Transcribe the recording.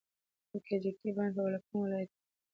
د کجکي بند په کوم ولایت کې دی؟